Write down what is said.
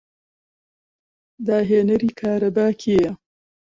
داهێنەری کارەبا کێیە؟